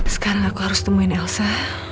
sekarang aku harus temuin elsa